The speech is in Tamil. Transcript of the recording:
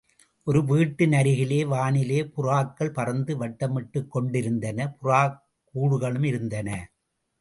ஒரு வீட்டின் அருகிலே, வானிலே புறாக்கள் பறந்து வட்டமிட்டுக் கொண்டிருந்தன, புறாக்கூடுகளும் இருந்தன.